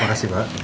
terima kasih pak